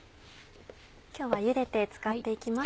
今日はゆでて使って行きます。